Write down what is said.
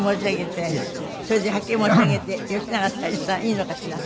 それではっきり申し上げて吉永小百合さんいいのかしら？